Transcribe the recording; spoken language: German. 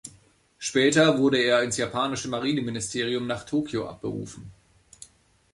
Später wurde er ins japanische Marineministerium nach Tokio abberufen.